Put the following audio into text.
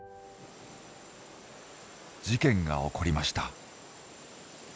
事件が起こりました。